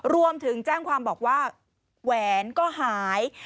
รวมถึงแจ้งความบอกว่าแหวนก็หาย